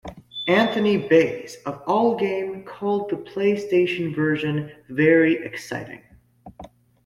Anthony Baize of AllGame called the PlayStation version very exciting.